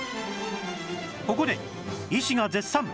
ここで医師が絶賛！